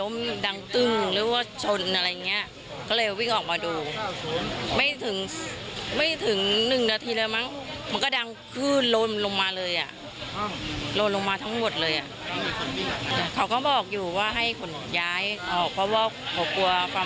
มันต้องหาที่อยู่นะเพราะว่าเราก็คิดว่ามันน่าจะคงอยู่อีกประมาณ๒๓ปี